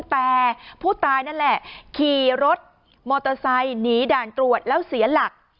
แต่ผู้ตายนั่นแหละขี่รถมอเตอร์ไซค์หนีด่านตรวจแล้วเสียหลัก